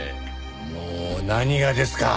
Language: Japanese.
もう何がですか？